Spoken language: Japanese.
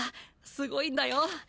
すごいんだよ！